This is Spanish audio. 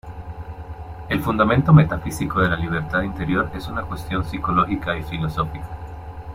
El fundamento metafísico de la libertad interior es una cuestión psicológica y filosófica.